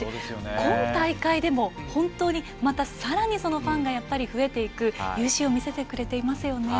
今大会も本当にまたさらにそのファンが増えていく雄姿を見せてくれていますよね。